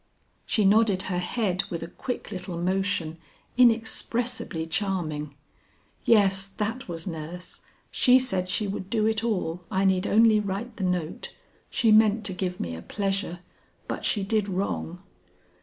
She nodded her head with a quick little motion inexpressibly charming. "Yes, that was nurse. She said she would do it all, I need only write the note. She meant to give me a pleasure, but she did wrong."